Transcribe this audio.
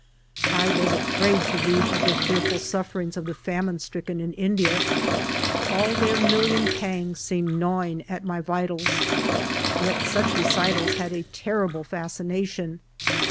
I was afraid to read of the fearful sufferings of the famine stricken in India. All their million pangs seemed gnawing at my 12 HALF A DIME A DAV. vitals, yet such recitals had a terrible fascination.